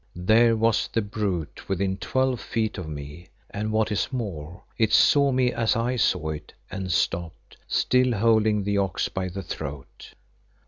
There was the brute within twelve feet of me, and what is more, it saw me as I saw it, and stopped, still holding the ox by the throat.